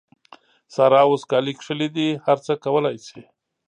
سارا اوس کالي کښلي دي؛ هر څه کولای سي.